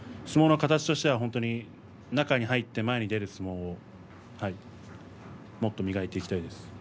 相撲の形としては中に入って前に出る相撲をもっと磨いていきたいです。